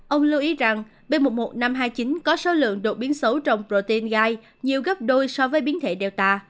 ông lưu ý rằng b một một năm trăm hai mươi chín có số lượng đột biến xấu trong protein gai nhiều gấp đôi so với biến thể delta